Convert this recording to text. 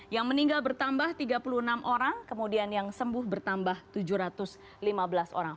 yang meninggal bertambah tiga puluh enam orang kemudian yang sembuh bertambah tujuh ratus lima belas orang